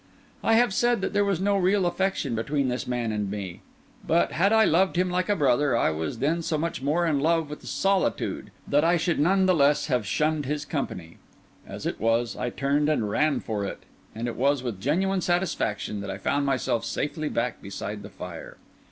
I have said that there was no real affection between this man and me; but, had I loved him like a brother, I was then so much more in love with solitude that I should none the less have shunned his company. As it was, I turned and ran for it; and it was with genuine satisfaction that I found myself safely back beside the fire.